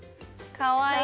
かわいい。